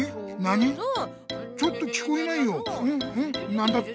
何だって？